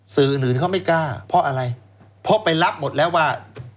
สื่ออื่นเขาไม่กล้าเพราะอะไรเพราะไปรับหมดแล้วว่า